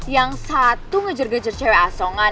yang satu ngejer gejer cewek asongan